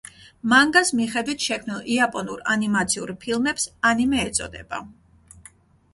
მანგას მიხედვით შექმნილ იაპონურ ანიმაციურ ფილმებს ანიმე ეწოდება.